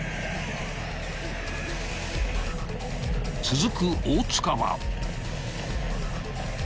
［続く大塚は］